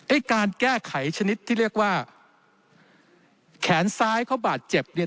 การแก้ไขชนิดที่เรียกว่าแขนซ้ายเขาบาดเจ็บเนี่ย